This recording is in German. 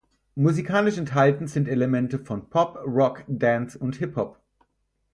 Musikalisch enthalten sind Elemente von Pop, Rock, Dance und Hip-Hop.